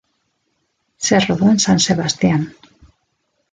Se rodó en San Sebastián.